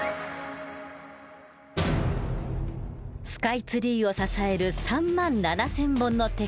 スカイツリーを支える３万７，０００本の鉄骨。